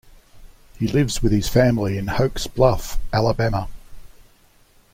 He lives with his family in Hokes Bluff, Alabama.